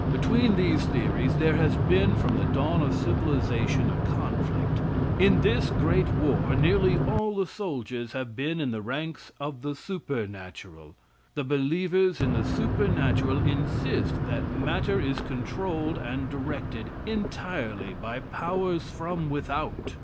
Between these theories there has been from the dawn of civilization a conflict. In this great war nearly all the soldiers have been in the ranks of the supernatural. The believers in the supernatural insist that matter is controlled and directed entirely by powers from without.